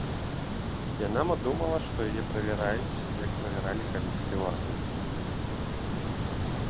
Яна мо думала, што яе правяраюць, як правяралі калісьці органы?